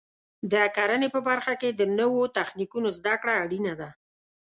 د کرنې په برخه کې د نوو تخنیکونو زده کړه اړینه ده.